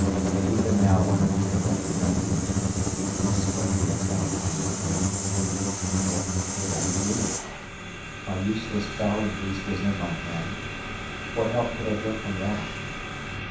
Even now when I think of that nightmare the sweat breaks out upon my brow. What could I do? My useless fowling piece was in my hand. What help could I get from that?